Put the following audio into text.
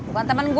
bukan temen gua